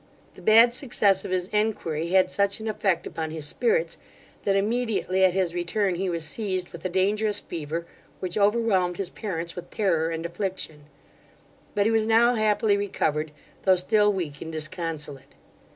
The bad success of his enquiry had such an effect upon his spirits, that immediately at his return he was seized with a dangerous fever, which overwhelmed his parents with terror and affliction; but he was now happily recovered, though still weak and disconsolate.